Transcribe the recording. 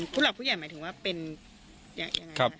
ผู้หลักผู้ใหญ่หมายถึงว่าเป็นยังไงครับ